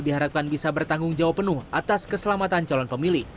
diharapkan bisa bertanggung jawab penuh atas keselamatan calon pemilih